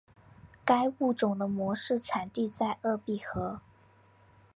该物种的模式产地在鄂毕河。